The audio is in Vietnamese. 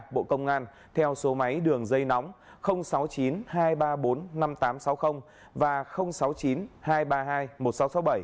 bộ công an theo số máy đường dây nóng sáu mươi chín hai trăm ba mươi bốn năm nghìn tám trăm sáu mươi và sáu mươi chín hai trăm ba mươi hai một nghìn sáu trăm sáu mươi bảy